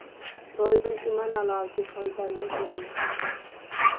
روھىدىن ئىمان ھالاۋىتى فونتاندەك ئېتىلىپ چىقتى.